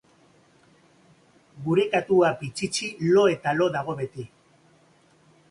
Gure katua Pitxitxi lo eta lo dago beti.